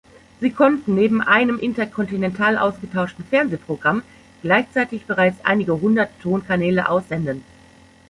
Sie konnten neben einem interkontinental ausgetauschten Fernsehprogramm gleichzeitig bereits einige hundert Tonkanäle aussenden.